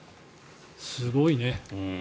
すごいね。